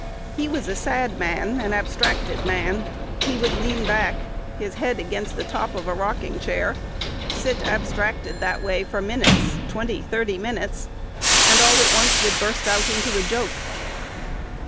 He was a sad man, an abstracted man. He would lean back, his head against the top of a rocking chair; sit abstracted that way for minutes, twenty, thirty minutes, and all at once would burst out into a joke."